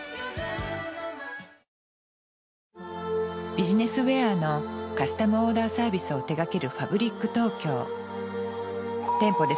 ビジネスウェアのカスタムオーダーサービスを手がける。